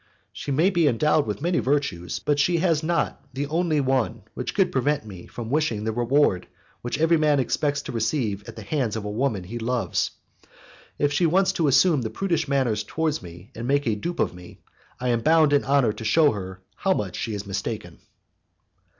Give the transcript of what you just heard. She may be endowed with many virtues, but she has not the only one which could prevent me from wishing the reward which every man expects to receive at the hands of the woman he loves. If she wants to assume prudish manners towards me and to make a dupe of me, I am bound in honour to shew her how much she is mistaken."